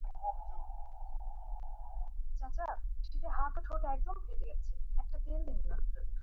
তিনি নারীর ক্ষমতায়ন ও অস্পৃশ্যতা দূরীকরণে কাজ করেছিলেন।